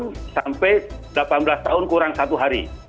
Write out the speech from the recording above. dari usia dua belas tahun sampai delapan belas tahun kurang satu hari